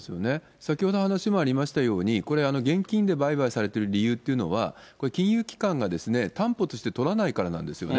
先ほどの話にもありましたように、これ、現金で売買されている理由っていうのは、金融機関が担保として取らないからなんですよね。